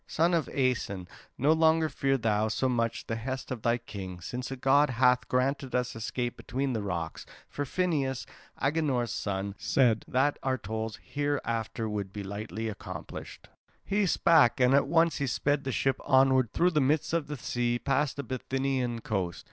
Son of Aeson, no longer fear thou so much the hest of thy king, since a god hath granted us escape between the rocks; for Phineus, Agenor's son, said that our toils hereafter would be lightly accomplished." He spake, and at once he sped the ship onward through the midst of the sea past the Bithynian coast.